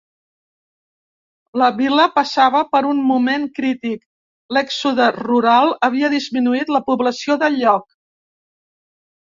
La vila passava per un moment crític, l'èxode rural havia disminuït la població del lloc.